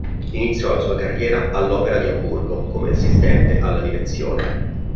Iniziò la sua carriera all'Opera di Amburgo come assistente alla direzione.